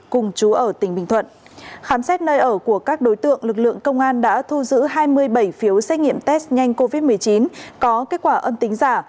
khám xét nơi ở của các đối tượng lực lượng công an đã thu giữ hai mươi bảy phiếu xét nghiệm test nhanh covid một mươi chín có kết quả âm tính giả